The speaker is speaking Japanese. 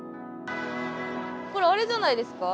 これあれじゃないですか？